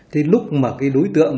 thì lúc mà cái đối tượng